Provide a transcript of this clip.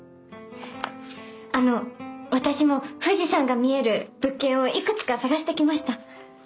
あの私も富士山が見える物件をいくつか探してきました。